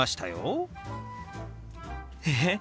えっ？